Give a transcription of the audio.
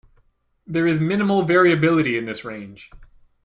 There is minimal variability in this range.